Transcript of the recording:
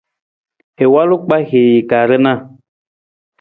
I walu kpahii ka rana.